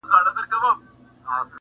څو اوښان لرې څو غواوي څو پسونه٫